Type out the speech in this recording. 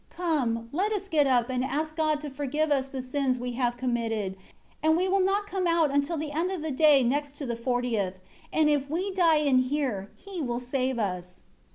Come, let us get up, and ask God to forgive us the sins we have committed; and we will not come out until the end of the day next to the fortieth. And if we die in here, He will save us."